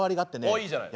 あいいじゃない。